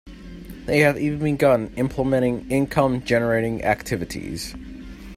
They have even begun implementing income generating activities.